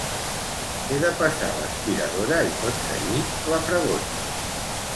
He de passar l´aspiradora i tot seguit la fregona.